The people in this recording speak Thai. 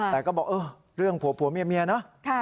แต่ก็บอกเออเรื่องผัวเมียเนอะ